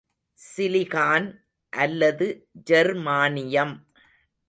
Silicon அல்லது ஜெர்மானியம்.